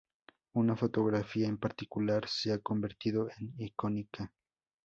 Una fotografía en particular se ha convertido en icónica.